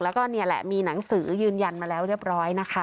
แล้วก็นี่แหละมีหนังสือยืนยันมาแล้วเรียบร้อยนะคะ